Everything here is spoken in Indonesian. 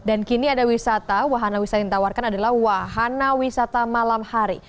dan kini ada wisata wahana wisata yang ditawarkan adalah wahana wisata malam hari